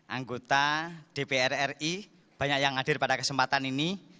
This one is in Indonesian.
anggota dpr ri banyak yang hadir pada kesempatan ini